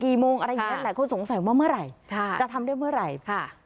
ได้กี่โมงอะไรอย่างนั้นหลายคนสงสัยว่าเมื่อไหร่จะทำได้เมื่อไหร่